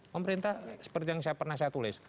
pemerintah seperti yang pernah saya tulis